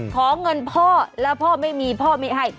ขอเงินพ่อแล้วพ่อไม่มีพ่อไม่ให้